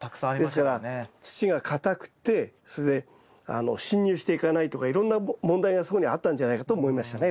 ですから土がかたくてそれで進入していかないとかいろんな問題がそこにあったんじゃないかと思いましたね